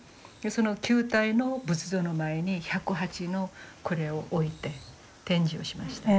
その９体の仏像の前に１０８のこれを置いて展示をしました。